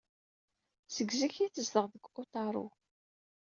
Seg zik ay tezdeɣ deg Otaru.